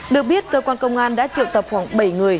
được biết cơ quan công an đã triệu tập khoảng bảy người